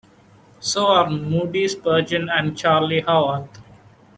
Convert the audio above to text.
So are Moody Spurgeon and Charlie Howarth.